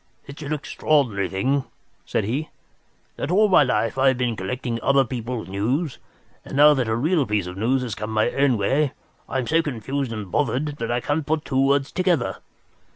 "It's an extraordinary thing," said he, "that all my life I have been collecting other people's news, and now that a real piece of news has come my own way I am so confused and bothered that I can't put two words together.